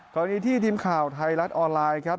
คราวนี้ที่ทีมข่าวไทยรัตน์ออนไลน์ครับ